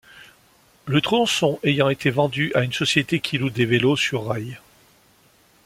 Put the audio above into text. Le tronçon ayant été vendu à une société qui loue des vélos sur rail.